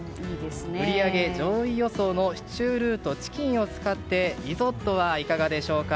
売り上げ上位予想のシチュールーとチキンを使ってリゾットはいかがでしょうか？